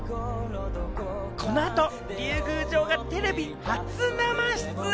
この後、龍宮城がテレビ初生出演。